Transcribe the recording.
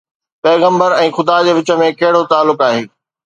پيغمبر ۽ خدا جي وچ ۾ ڪهڙو تعلق آهي؟